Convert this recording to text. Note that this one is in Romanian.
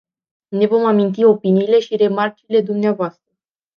Ne vom aminti opiniile și remarcile dvs.